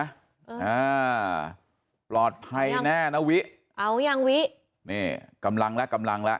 อ่าปลอดภัยแน่นะวิเอายังวินี่กำลังแล้วกำลังแล้ว